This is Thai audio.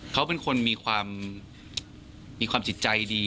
เขาเป็นคนมีความมีความจิตใจดี